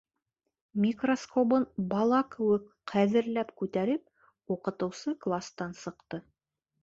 Микроскобын бала кеүек ҡәҙерләп күтәреп, уҡытыусы кластан сыҡты.